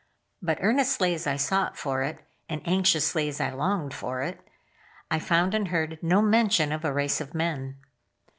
But earnestly as I sought for it, and anxiously as I longed for it, I found and heard no mention of a race of men.